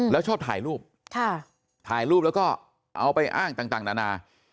แล้วชอบถ่ายรูปถ่ายรูปแล้วก็เอาไปอ้างต่างนานา